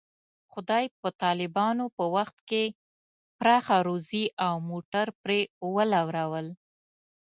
خدای په طالبانو په وخت کې پراخه روزي او موټر پرې ولورول.